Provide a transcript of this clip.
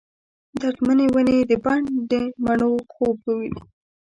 درد منې ونې د بڼ ، دمڼو خوب وویني